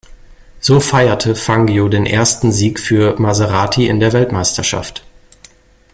So feierte Fangio den ersten Sieg für Maserati in der Weltmeisterschaft.